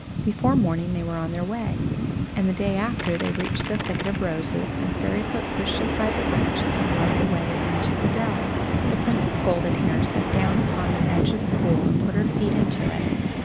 Before morning they were on their way, and the day after they reached the thicket of roses, and Fairyfoot pushed aside the branches and led the way into the dell. The Princess Goldenhair sat down upon the edge of the pool and put her feet into it.